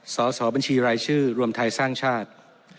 สอบบัญชีรายชื่อรวมไทยสร้างชาติ